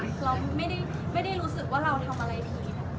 เราไม่ได้รู้สึกว่าเราทำอะไรผิด